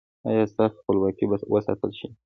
ایا ستاسو خپلواکي به وساتل شي؟